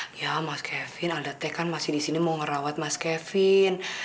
eh ya mas kevin alda t kan masih di sini mau ngerawat mas kevin